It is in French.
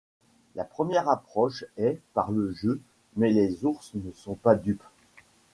La première approche est par le jeu mais les ours ne sont pas dupes.